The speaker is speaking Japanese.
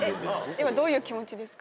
今どういう気持ちですか？